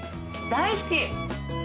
大好き！